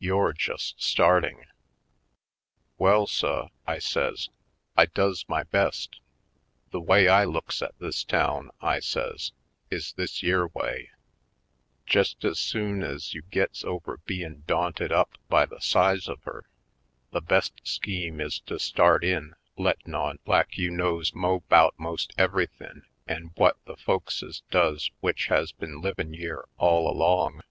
You're just starting." "Well, suh," I says, "I does my best. The way I looks at this town," I says, "is this yere way : Jest ez soon ez you gits over bein' daunted up by the size of her, the best scheme is to start in lettin' on lak you knows mo' 'bout 'most ever'thin' 'en whut the folk ses does w'ich has been livin' yere all along.